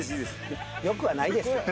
よくはないですよ。